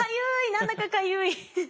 何だかかゆい。